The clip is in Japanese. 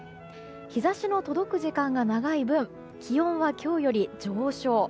日差しの届く時間が長い分気温は今日より上昇。